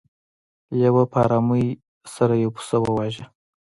لیوه په ارامۍ سره یو پسه وواژه.